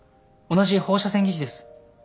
同じ放射線技師です。